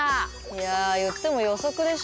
いや言っても予測でしょ？